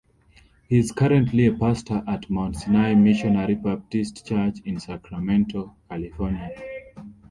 He is currently a pastor at Mount Sinai Missionary Baptist Church in Sacramento, California.